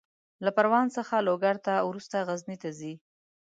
له پروان څخه لوګر ته، وروسته غزني ته ځي.